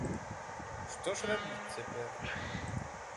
Што ж рабіць цяпер?